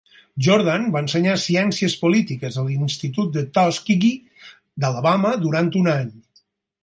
Jordan va ensenyar ciències polítiques a l'Institut Tuskegee d'Alabama durant un any.